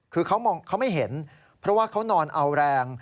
คือเขามองเขาไม่เห็นเพราะว่าเขานอนเอาแรง